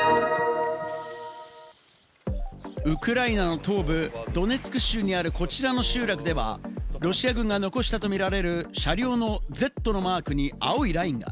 ウクライナの東部ドネツク州にあるこちらの集落では、ロシア軍が残したとみられる車両の「Ｚ」のマークに青いラインが。